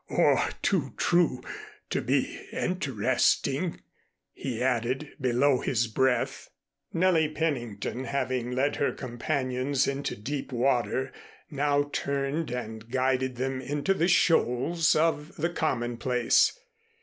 "Or too true to be interesting," he added, below his breath. Nellie Pennington, having led her companions into deep water, now turned and guided them into the shoals of the commonplace.